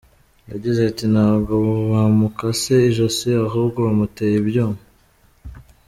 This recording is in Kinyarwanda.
Yagize ati “ Ntabwo bamukase ijosi ahubwo bamuteye ibyuma.